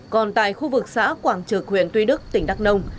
còn tại khu vực xã quảng trực huyện tuy đức tỉnh đắk nông